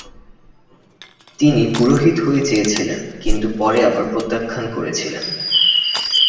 তিনি পুরোহিত হয়ে চেয়েছিলেন কিন্তু পরে আবার প্রত্যাখ্যান করেছিলেন।